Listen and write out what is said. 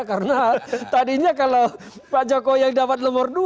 karena tadinya kalau pak jokowi yang dapat nomor dua